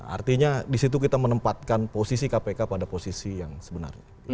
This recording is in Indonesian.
artinya disitu kita menempatkan posisi kpk pada posisi yang sebenarnya